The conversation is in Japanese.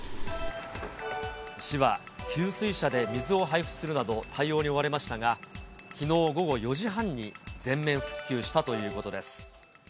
市は給水車で水を配布するなど、対応に追われましたが、きのう午後４時半に全面復旧したということです。